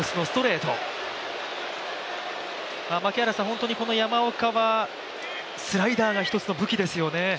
本当にこの山岡はスライダーが一つの武器ですよね。